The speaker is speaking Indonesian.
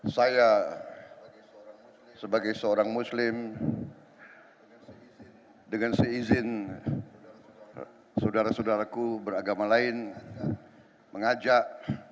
saya sebagai seorang muslim dengan seizin saudara saudaraku beragama lain mengajak